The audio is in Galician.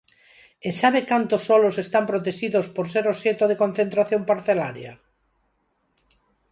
¿E sabe cantos solos están protexidos por ser obxecto de concentración parcelaria?